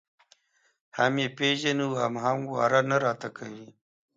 هم یې پېژنو او هم واره نه راته کوي.